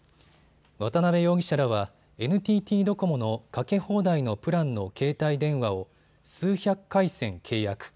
渡部容疑者らはＮＴＴドコモの、かけ放題のプランの携帯電話を数百回線、契約。